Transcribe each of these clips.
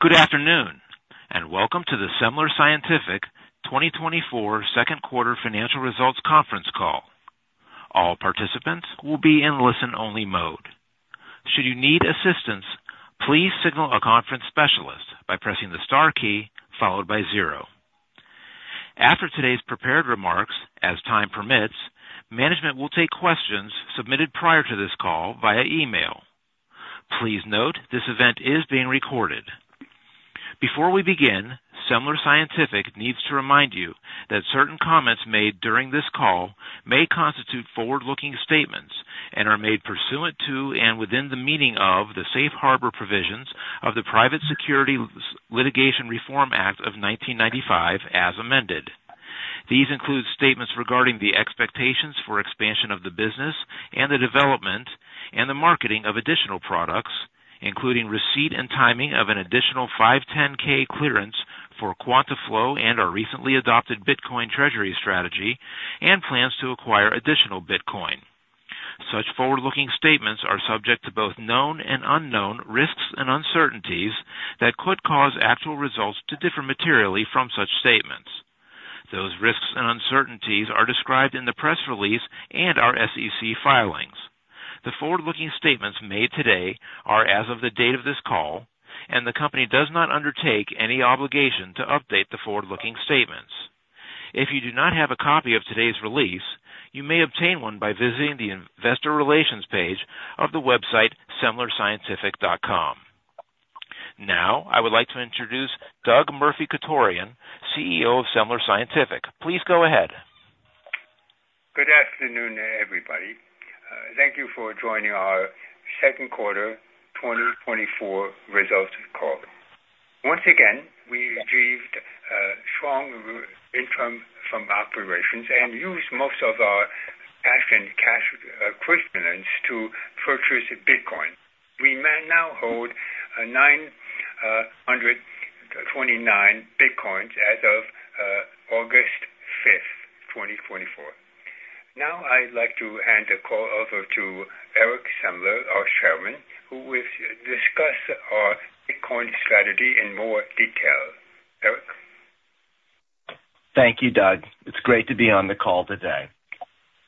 Good afternoon, and welcome to the Semler Scientific 2024 Second Quarter Financial Results conference call. All participants will be in listen-only mode. Should you need assistance, please signal a conference specialist by pressing the star key followed by zero. After today's prepared remarks, as time permits, management will take questions submitted prior to this call via email. Please note this event is being recorded. Before we begin, Semler Scientific needs to remind you that certain comments made during this call may constitute forward-looking statements and are made pursuant to and within the meaning of the safe harbor provisions of the Private Securities Litigation Reform Act of 1995, as amended. These include statements regarding the expectations for expansion of the business and the development and the marketing of additional products, including receipt and timing of an additional 510(k) clearance for QuantaFlo and our recently adopted Bitcoin treasury strategy, and plans to acquire additional Bitcoin. Such forward-looking statements are subject to both known and unknown risks and uncertainties that could cause actual results to differ materially from such statements. Those risks and uncertainties are described in the press release and our SEC filings. The forward-looking statements made today are as of the date of this call, and the company does not undertake any obligation to update the forward-looking statements. If you do not have a copy of today's release, you may obtain one by visiting the investor relations page of the website semlerscientific.com. Now, I would like to introduce Doug Murphy-Chutorian, CEO of Semler Scientific. Please go ahead. Good afternoon, everybody. Thank you for joining our second quarter 2024 results call. Once again, we achieved strong income from operations and used most of our cash and cash equivalents to purchase Bitcoin. We now hold 929 Bitcoins as of August 5th, 2024. Now, I'd like to hand the call over to Eric Semler, our chairman, who will discuss our Bitcoin strategy in more detail. Eric? Thank you, Doug. It's great to be on the call today.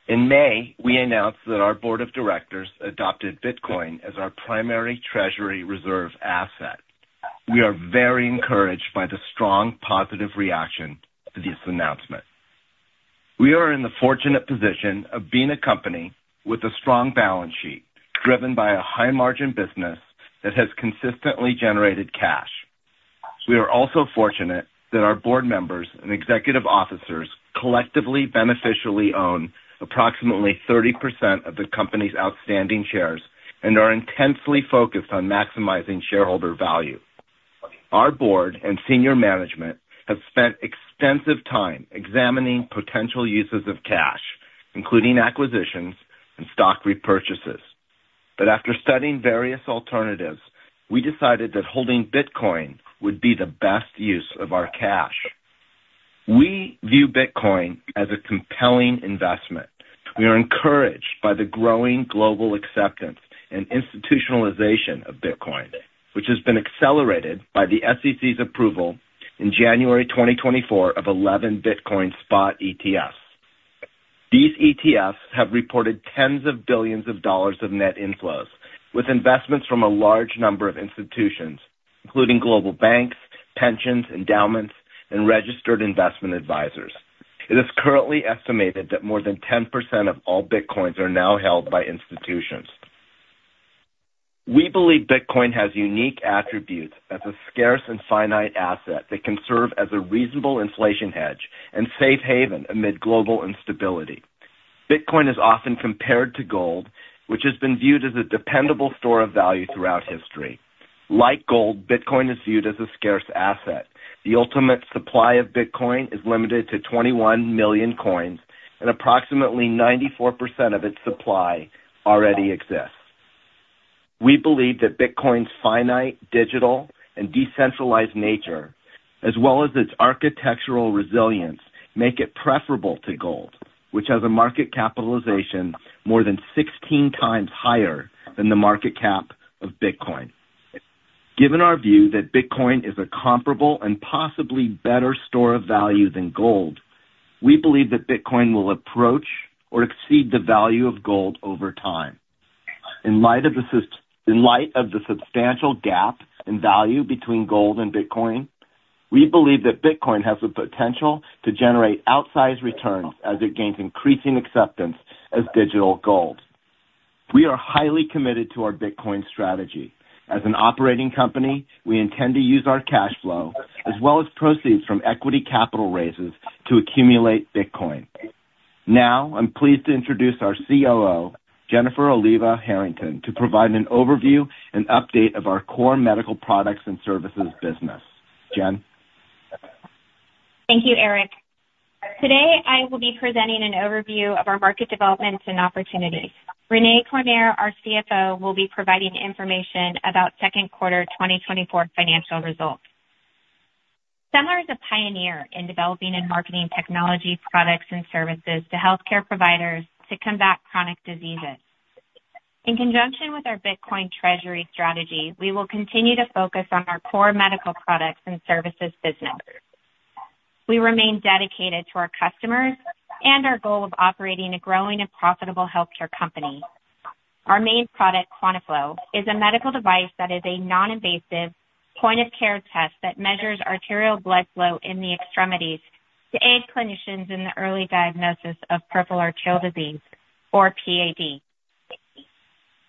In May, we announced that our board of directors adopted Bitcoin as our primary treasury reserve asset. We are very encouraged by the strong positive reaction to this announcement. We are in the fortunate position of being a company with a strong balance sheet, driven by a high-margin business that has consistently generated cash. We are also fortunate that our board members and executive officers collectively beneficially own approximately 30% of the company's outstanding shares and are intensely focused on maximizing shareholder value. Our board and senior management have spent extensive time examining potential uses of cash, including acquisitions and stock repurchases. But after studying various alternatives, we decided that holding Bitcoin would be the best use of our cash. We view Bitcoin as a compelling investment. We are encouraged by the growing global acceptance and institutionalization of Bitcoin, which has been accelerated by the SEC's approval in January 2024 of 11 Bitcoin spot ETFs. These ETFs have reported $ tens of billions of net inflows, with investments from a large number of institutions, including global banks, pensions, endowments, and registered investment advisors. It is currently estimated that more than 10% of all Bitcoins are now held by institutions. We believe Bitcoin has unique attributes as a scarce and finite asset that can serve as a reasonable inflation hedge and safe haven amid global instability. Bitcoin is often compared to gold, which has been viewed as a dependable store of value throughout history. Like gold, Bitcoin is viewed as a scarce asset. The ultimate supply of Bitcoin is limited to 21 million coins, and approximately 94% of its supply already exists. We believe that Bitcoin's finite, digital, and decentralized nature, as well as its architectural resilience, make it preferable to gold, which has a market capitalization more than 16x higher than the market cap of Bitcoin. Given our view that Bitcoin is a comparable and possibly better store of value than gold, we believe that Bitcoin will approach or exceed the value of gold over time. In light of the substantial gap in value between gold and Bitcoin, we believe that Bitcoin has the potential to generate outsized returns as it gains increasing acceptance as digital gold. We are highly committed to our Bitcoin strategy. As an operating company, we intend to use our cash flow as well as proceeds from equity capital raises to accumulate Bitcoin. Now, I'm pleased to introduce our COO, Jennifer Oliva Herrington, to provide an overview and update of our core medical products and services business. Jen? Thank you, Eric. Today, I will be presenting an overview of our market developments and opportunities. Renae Cormier, our CFO, will be providing information about second quarter 2024 financial results. Semler is a pioneer in developing and marketing technology products and services to healthcare providers to combat chronic diseases. In conjunction with our Bitcoin treasury strategy, we will continue to focus on our core medical products and services business. We remain dedicated to our customers and our goal of operating a growing and profitable healthcare company. Our main product, QuantaFlo, is a medical device that is a non-invasive point-of-care test that measures arterial blood flow in the extremities to aid clinicians in the early diagnosis of peripheral arterial disease, or PAD.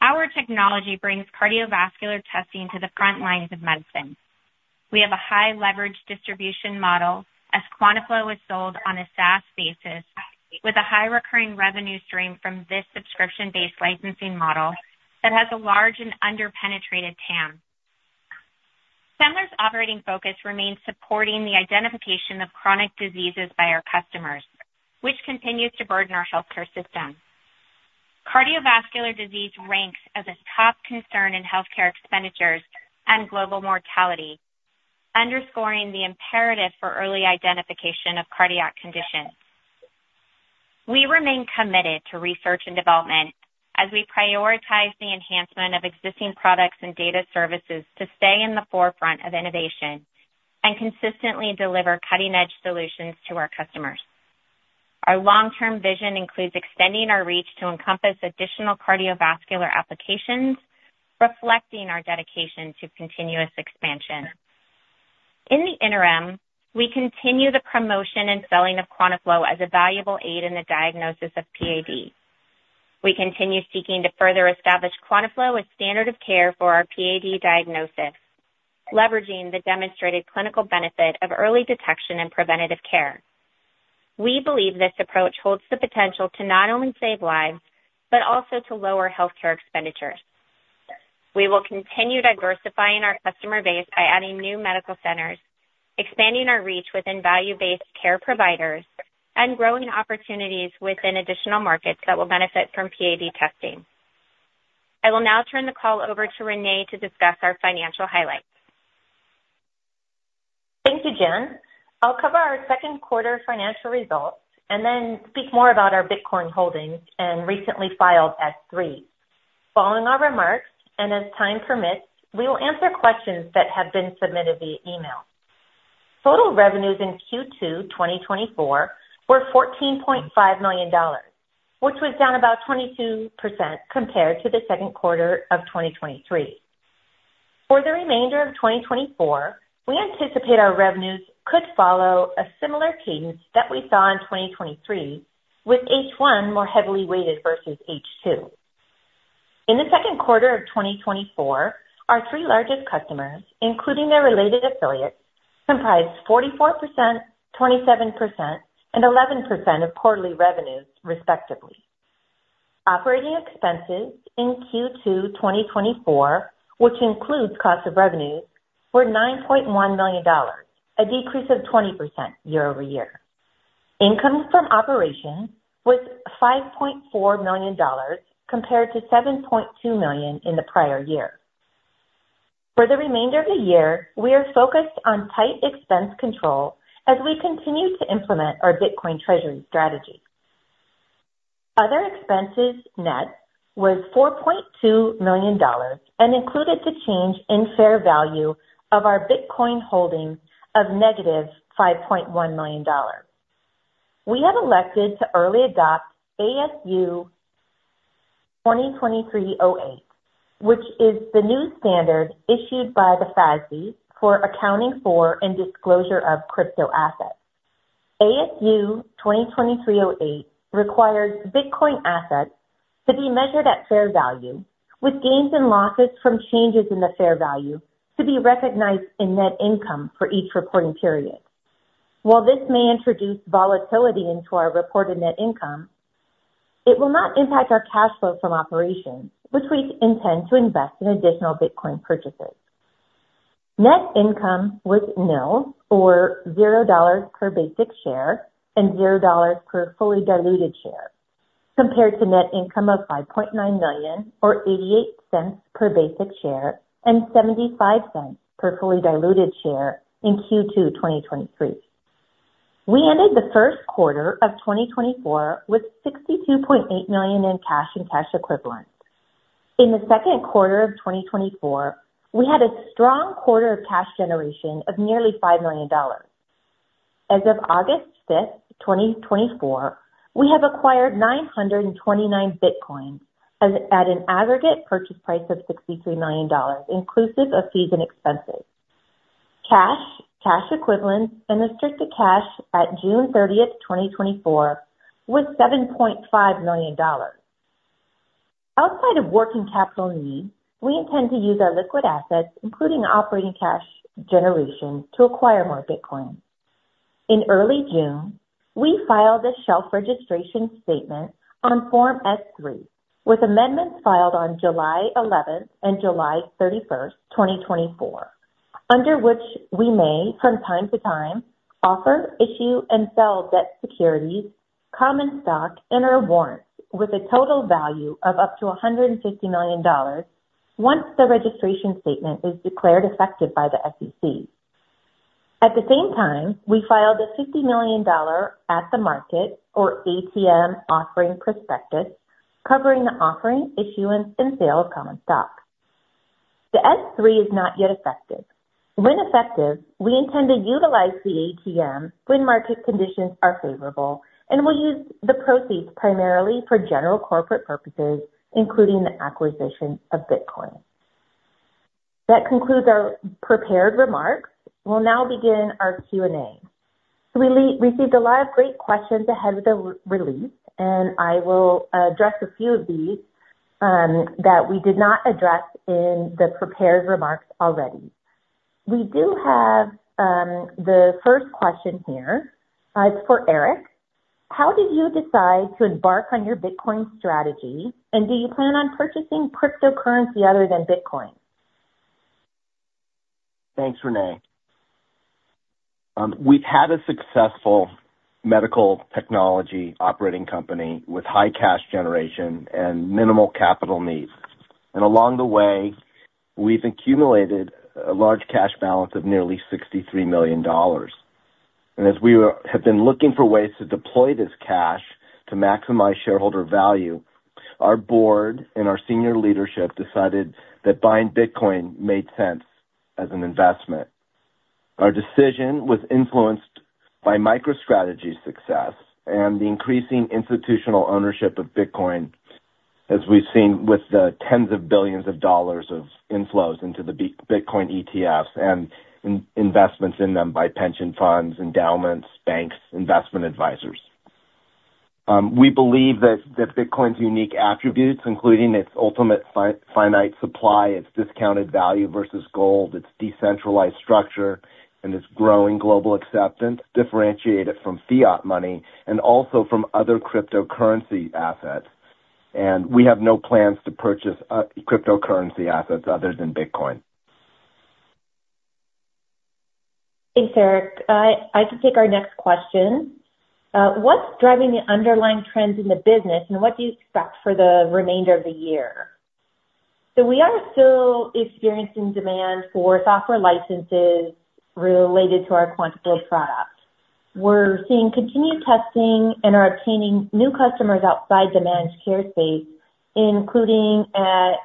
Our technology brings cardiovascular testing to the front lines of medicine. We have a high-leverage distribution model, as QuantaFlo is sold on a SaaS basis, with a high recurring revenue stream from this subscription-based licensing model that has a large and under-penetrated TAM. Semler's operating focus remains supporting the identification of chronic diseases by our customers, which continues to burden our healthcare system. Cardiovascular disease ranks as a top concern in healthcare expenditures and global mortality, underscoring the imperative for early identification of cardiac conditions. We remain committed to research and development as we prioritize the enhancement of existing products and data services to stay in the forefront of innovation and consistently deliver cutting-edge solutions to our customers. Our long-term vision includes extending our reach to encompass additional cardiovascular applications, reflecting our dedication to continuous expansion. In the interim, we continue the promotion and selling of QuantaFlo as a valuable aid in the diagnosis of PAD. We continue seeking to further establish QuantaFlo as standard of care for our PAD diagnosis, leveraging the demonstrated clinical benefit of early detection and preventative care. We believe this approach holds the potential to not only save lives but also to lower healthcare expenditures. We will continue diversifying our customer base by adding new medical centers, expanding our reach within value-based care providers, and growing opportunities within additional markets that will benefit from PAD testing. I will now turn the call over to Renae to discuss our financial highlights. Thank you, Jen. I'll cover our second quarter financial results and then speak more about our Bitcoin holdings and recently filed S-3. Following our remarks and as time permits, we will answer questions that have been submitted via email. Total revenues in Q2 2024 were $14.5 million, which was down about 22% compared to the second quarter of 2023. For the remainder of 2024, we anticipate our revenues could follow a similar cadence that we saw in 2023, with H1 more heavily weighted versus H2. In the second quarter of 2024, our three largest customers, including their related affiliates, comprised 44%, 27%, and 11% of quarterly revenues, respectively. Operating expenses in Q2 2024, which includes cost of revenues, were $9.1 million, a decrease of 20% year-over-year. Income from operations was $5.4 million compared to $7.2 million in the prior year. For the remainder of the year, we are focused on tight expense control as we continue to implement our Bitcoin treasury strategy. Other expenses net was $4.2 million and included the change in fair value of our Bitcoin holdings of negative $5.1 million. We have elected to early adopt ASU 2023-08, which is the new standard issued by the FASB for accounting for and disclosure of crypto assets. ASU 2023-08 requires Bitcoin assets to be measured at fair value, with gains and losses from changes in the fair value to be recognized in net income for each reporting period. While this may introduce volatility into our reported net income, it will not impact our cash flow from operations, which we intend to invest in additional Bitcoin purchases. Net income was nil, or $0 per basic share and $0 per fully diluted share, compared to net income of $5.9 million, or $0.88 per basic share and $0.75 per fully diluted share in Q2 2023. We ended the first quarter of 2024 with $62.8 million in cash and cash equivalents. In the second quarter of 2024, we had a strong quarter of cash generation of nearly $5 million. As of August 5th, 2024, we have acquired 929 Bitcoins at an aggregate purchase price of $63 million, inclusive of fees and expenses. Cash, cash equivalents, and restricted cash at June 30th, 2024, was $7.5 million. Outside of working capital needs, we intend to use our liquid assets, including operating cash generation, to acquire more Bitcoin. In early June, we filed a shelf registration statement on Form S-3, with amendments filed on July 11th and July 31st, 2024, under which we may, from time to time, offer, issue, and sell debt securities, common stock, and/or warrants with a total value of up to $150 million once the registration statement is declared effective by the SEC. At the same time, we filed a $50 million at the market, or ATM, offering prospectus covering the offering, issuance, and sale of common stock. The S-3 is not yet effective. When effective, we intend to utilize the ATM when market conditions are favorable and will use the proceeds primarily for general corporate purposes, including the acquisition of Bitcoin. That concludes our prepared remarks. We'll now begin our Q&A. We received a lot of great questions ahead of the release, and I will address a few of these that we did not address in the prepared remarks already. We do have the first question here. It's for Eric. How did you decide to embark on your Bitcoin strategy, and do you plan on purchasing cryptocurrency other than Bitcoin? Thanks, Renae. We've had a successful medical technology operating company with high cash generation and minimal capital needs. Along the way, we've accumulated a large cash balance of nearly $63 million. As we have been looking for ways to deploy this cash to maximize shareholder value, our board and our senior leadership decided that buying Bitcoin made sense as an investment. Our decision was influenced by MicroStrategy's success and the increasing institutional ownership of Bitcoin, as we've seen with the tens of billions of dollars of inflows into the Bitcoin ETFs and investments in them by pension funds, endowments, banks, investment advisors. We believe that Bitcoin's unique attributes, including its ultimate finite supply, its discounted value versus gold, its decentralized structure, and its growing global acceptance, differentiate it from fiat money and also from other cryptocurrency assets. We have no plans to purchase cryptocurrency assets other than Bitcoin. Thanks, Eric. I can take our next question. What's driving the underlying trends in the business, and what do you expect for the remainder of the year? So we are still experiencing demand for software licenses related to our QuantaFlo product. We're seeing continued testing and are obtaining new customers outside the managed care space, including at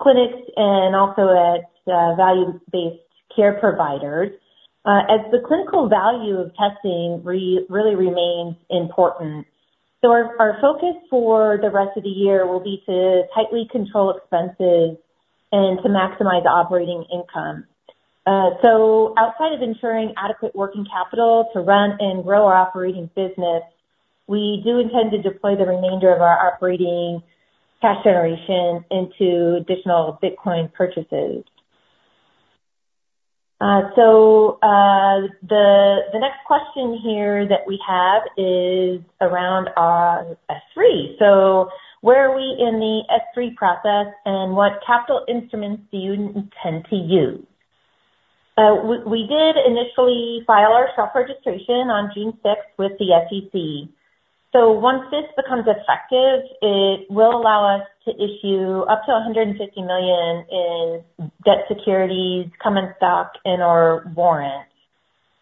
clinics and also at value-based care providers, as the clinical value of testing really remains important. So our focus for the rest of the year will be to tightly control expenses and to maximize operating income. So outside of ensuring adequate working capital to run and grow our operating business, we do intend to deploy the remainder of our operating cash generation into additional Bitcoin purchases. So the next question here that we have is around our S-3. Where are we in the S-3 process, and what capital instruments do you intend to use? We did initially file our shelf registration on June 6th with the SEC. Once this becomes effective, it will allow us to issue up to $150 million in debt securities, common stock, and/or warrants.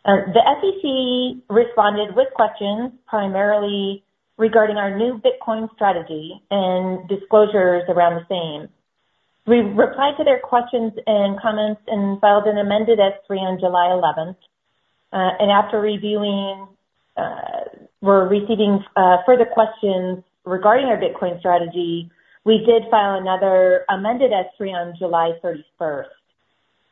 The SEC responded with questions primarily regarding our new Bitcoin strategy and disclosures around the same. We replied to their questions and comments and filed an amended S-3 on July 11th. After reviewing, we're receiving further questions regarding our Bitcoin strategy. We did file another amended S-3 on July 31st.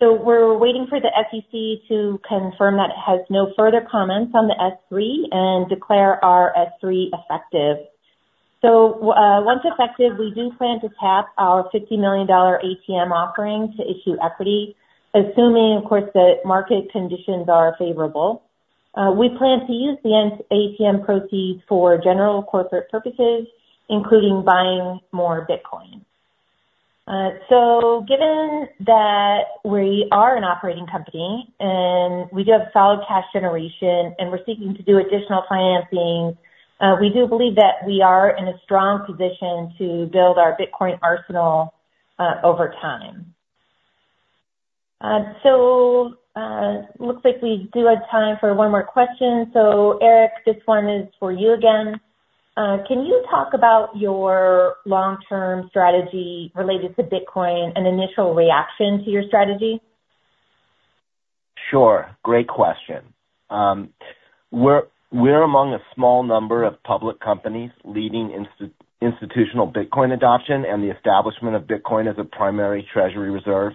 We're waiting for the SEC to confirm that it has no further comments on the S-3 and declare our S-3 effective. Once effective, we do plan to tap our $50 million ATM offering to issue equity, assuming, of course, that market conditions are favorable. We plan to use the ATM proceeds for general corporate purposes, including buying more Bitcoin. Given that we are an operating company and we do have solid cash generation and we're seeking to do additional financing, we do believe that we are in a strong position to build our Bitcoin arsenal over time. It looks like we do have time for one more question. Eric, this one is for you again. Can you talk about your long-term strategy related to Bitcoin and initial reaction to your strategy? Sure. Great question. We're among a small number of public companies leading institutional Bitcoin adoption and the establishment of Bitcoin as a primary treasury reserve.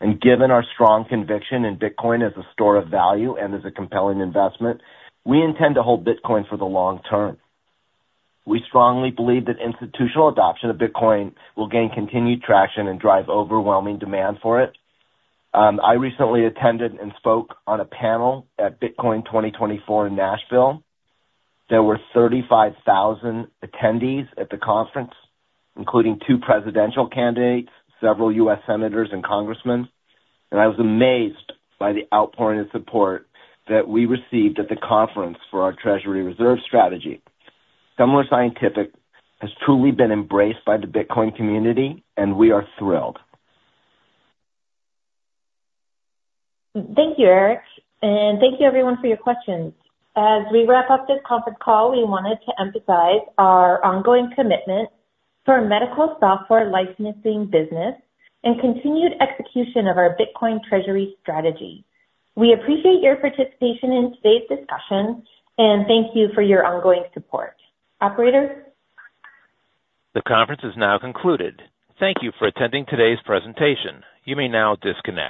And given our strong conviction in Bitcoin as a store of value and as a compelling investment, we intend to hold Bitcoin for the long term. We strongly believe that institutional adoption of Bitcoin will gain continued traction and drive overwhelming demand for it. I recently attended and spoke on a panel at Bitcoin 2024 in Nashville. There were 35,000 attendees at the conference, including two presidential candidates, several U.S. senators, and congressmen. And I was amazed by the outpouring of support that we received at the conference for our treasury reserve strategy. Semler Scientific has truly been embraced by the Bitcoin community, and we are thrilled. Thank you, Eric. Thank you, everyone, for your questions. As we wrap up this conference call, we wanted to emphasize our ongoing commitment for a medical software licensing business and continued execution of our Bitcoin treasury strategy. We appreciate your participation in today's discussion, and thank you for your ongoing support. Operator? The conference is now concluded. Thank you for attending today's presentation. You may now disconnect.